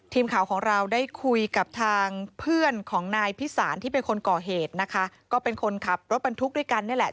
ทีมข่าวของเราได้คุยกับทางเพื่อนของนายพิสารที่เป็นคนก่อเหตุนะคะก็เป็นคนขับรถบรรทุกด้วยกันนี่แหละ